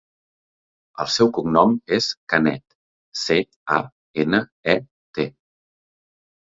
El seu cognom és Canet: ce, a, ena, e, te.